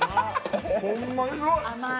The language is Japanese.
ホンマにすごい！